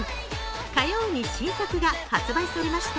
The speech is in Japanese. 火曜に新作が発売されました。